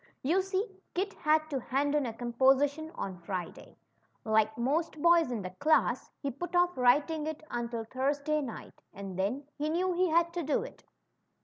You see Kit had to hand in a composition on Friday. Like most boys in the class, he put off writing it until Thursday night, and then he knew he had to do it.